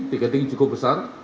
tiketing cukup besar